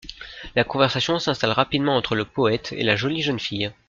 La conversation s'installe rapidement entre le poète et la jolie jeune fille.